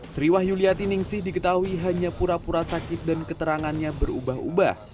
sri wahyuliati ningsih diketahui hanya pura pura sakit dan keterangannya berubah ubah